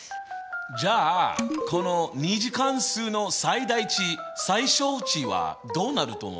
じゃあこの２次関数の最大値・最小値はどうなると思う？